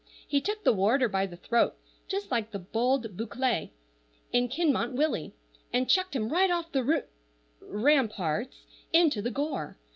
He took the warder by the throat, just like the Bold Buccleugh in "Kinmont Willie," and chucked him right off the roo—ramparts into the gore.